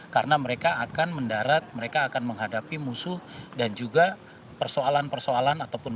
karena mereka akan mendarat mereka akan menghadapi musuh dan juga persoalan persoalan ataupun